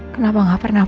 kenapa gak pernah